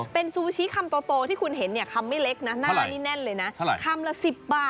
เป็นซูชิคำโตที่คุณเห็นเนี่ยคำไม่เล็กนะ